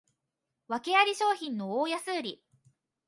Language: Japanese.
わけあり商品の大安売り